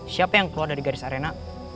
siapa yang keluar dari garis arena